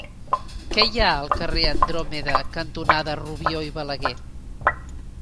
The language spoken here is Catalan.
Què hi ha al carrer Andròmeda cantonada Rubió i Balaguer?